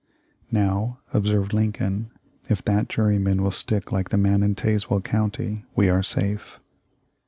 'Now,' observed Lincoln, 'if that jury man will stick like the man in Tazewell county we are safe.'